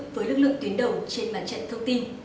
với lực lượng tuyến đầu trên mặt trận thông tin